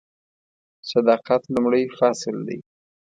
صداقت لومړی فصل دی .